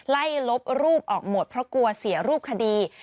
ลบรูปออกหมดเพราะกลัวเสียรูปคดี